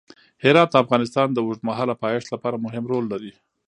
هرات د افغانستان د اوږدمهاله پایښت لپاره مهم رول لري.